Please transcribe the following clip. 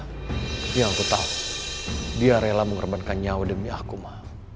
tapi aku tahu dia rela mengorbankan nyawa demi aku ma